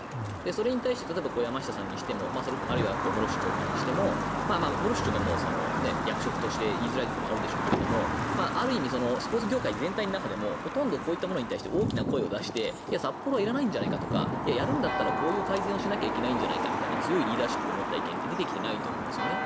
それに対して例えば山下さんにしても室伏長官にしても室伏長官は役職として言いづらいところはあるでしょうけどある意味スポーツ業界全体としてもほとんどこういったものに対して大きな声を出していや、札幌いらないんじゃないかとかやるならこういう改善をしなければいけないんじゃないかという強いリーダーシップを持った意見って出てきていないと思うんですね。